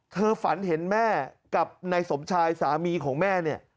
ฝันเห็นแม่กับนายสมชายสามีของแม่เนี่ย